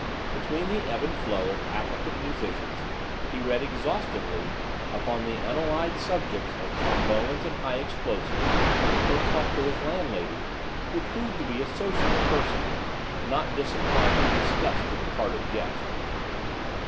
Between the ebb and flow of applicant musicians he read exhaustively upon the unallied subjects of trombones and high explosives, or talked with his landlady, who proved to be a sociable person, not disinclined to discuss the departed guest.